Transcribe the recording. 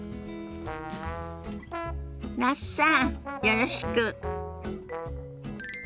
那須さんよろしく。